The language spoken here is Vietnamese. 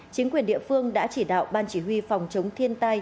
chính quyền địa phương đã chỉ đạo ban chỉ huy phòng chống thiên tai